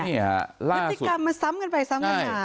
นี่ค่ะล่าสุดนักศึกรรมมันซ้ำกันไปซ้ำกันมา